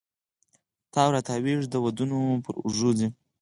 تاو را تاویږې د دودانو پر اوږو ځي